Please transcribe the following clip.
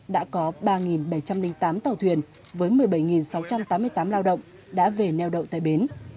đã có ba bảy trăm linh tám tàu thuyền với một mươi bảy sáu trăm tám mươi tám lao động đã về neo đậu tại bến